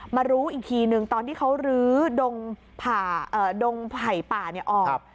มารู้อีกทีนึงตอนที่เขารื้อดงไผ่ป่าออก